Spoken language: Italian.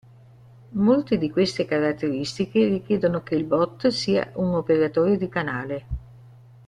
Molte di queste caratteristiche richiedono che il bot sia un operatore di canale.